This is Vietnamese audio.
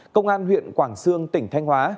công an huyện quảng sương tỉnh thanh hóa